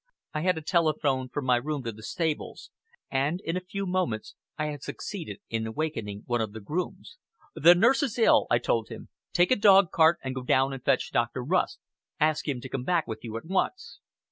I had a telephone from my room to the stables, and in a few moments I had succeeded in awakening one of the grooms. "The nurse is ill," I told him. "Take a dog cart and go down and fetch Dr. Rust. Ask him to come back with you at once."